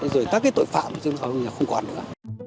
rồi tất cái tội phạm chúng tôi không còn nữa